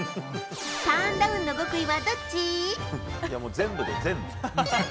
ターンダウンの極意はどっち？